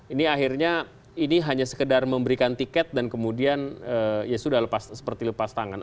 ini akhirnya ini hanya sekedar memberikan tiket dan kemudian ya sudah lepas seperti lepas tangan